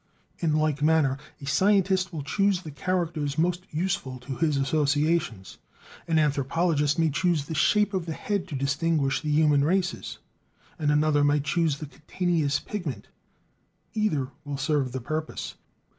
In like manner, a scientist will choose the characters most useful to his associations. An anthropologist may choose the shape of the head to distinguish the human races, and another might choose the cutaneous pigment either will serve the purpose.